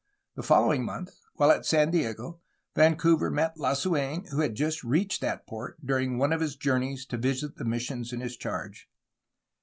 The following month, while at San Diego, Vancouver met Lasuen, who had just reached that port during one of his journeys to visit the missions in his charge.